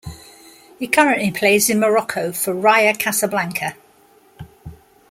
He currently plays in Morocco for raja Casablanca.